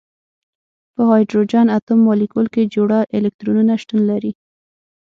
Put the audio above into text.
په هایدروجن اتوم مالیکول کې جوړه الکترونونه شتون لري.